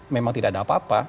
memang tidak ada apa apa